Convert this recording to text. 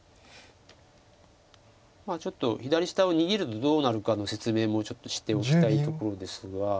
ちょっと左下を逃げるとどうなるかの説明もちょっとしておきたいところですが。